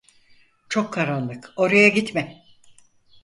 Çok karanlık, oraya gitme!